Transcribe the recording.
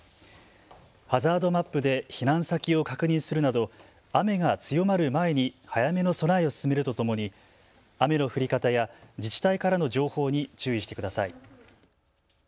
ハザードマップで避難先を確認するなど雨が強まる前に早めの備えを進めるとともに雨の降り方や自治体からの情報に注意してください。